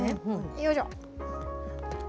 よいしょ。